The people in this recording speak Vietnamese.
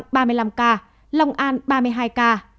bình dương ba mươi hai ca